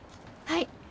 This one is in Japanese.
はい。